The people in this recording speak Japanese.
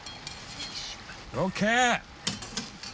ＯＫ！